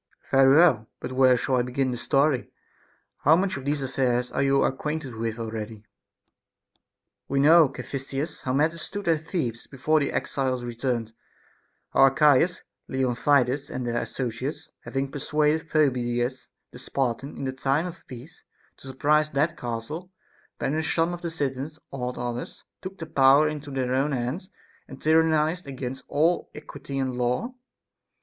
Caph. Very well ; but where shall I begin the story ? How much of these affairs are you acquainted with already ? Arch. We know, Caphisias, how matters stood at Thebes before the exiles returned, — how Archias, Leon tidas, and their associates, having persuaded Phoebidas the Spartan in the time of peace to surprise that castle, ban ished some of the citizens, awed others, took the power into their own hands, and tyrannized against all equity and law.